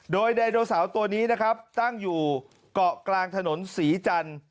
โดยไดโนเสาร์ตัวนี้นะครับตั้งอยู่เกาะกลางถนนศรีจันทร์